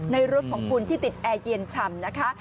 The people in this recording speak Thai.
รถของคุณที่ติดแอร์เย็นฉ่ำนะคะ